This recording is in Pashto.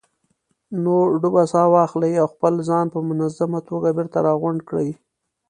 نو ډوبه ساه واخلئ او خپل ځان په منظمه توګه بېرته راغونډ کړئ.